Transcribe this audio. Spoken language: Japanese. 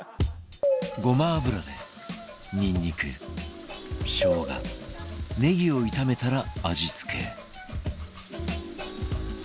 ごま油でニンニクしょうがネギを炒めたら味付け